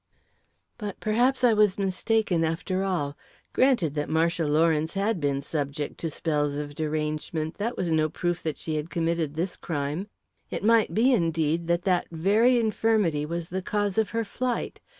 But perhaps I was mistaken, after all. Granted that Marcia Lawrence had been subject to spells of derangement, that was no proof that she had committed this crime. It might be, indeed, that that very infirmity was the cause of her flight.